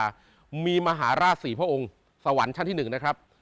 ทิศสี้มหาราชสี่พระองค์สวรรค์ชั้นที่๑